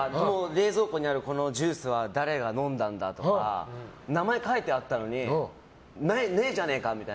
冷蔵庫にあるジュースは誰が飲んだんだとか名前書いてあったのにねえじゃねえか！